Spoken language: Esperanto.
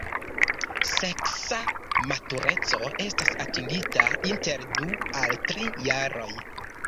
Seksa matureco estas atingita inter du al tri jaroj.